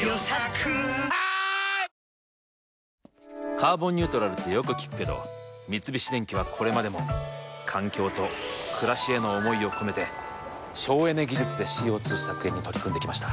「カーボンニュートラル」ってよく聞くけど三菱電機はこれまでも環境と暮らしへの思いを込めて省エネ技術でＣＯ２削減に取り組んできました。